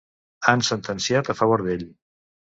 Han sentenciat a favor d'ell.